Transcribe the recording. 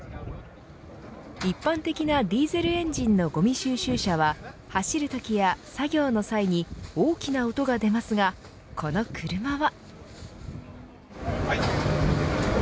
一般的なディーゼルエンジンのごみ収集車は走るときや、作業の際に大きな音が出ますがこの車は。